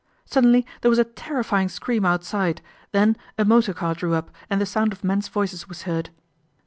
Suddenly there was a terrifying scream outside, then a motor car drew up and the sound of men's voices was heard.